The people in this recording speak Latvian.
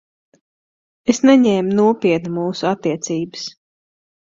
Es neņēmu nopietni mūsu attiecības.